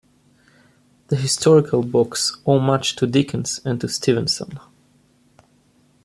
The historical books owe much to Dickens and to Stevenson.